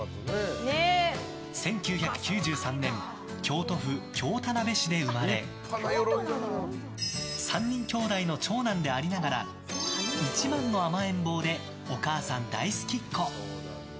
１９９３年京都府京田辺市で生まれ３人きょうだいの長男でありながら一番の甘えん坊でお母さん大好きっこ。